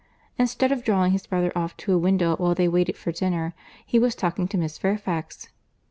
Instead of drawing his brother off to a window while they waited for dinner, he was talking to Miss Fairfax.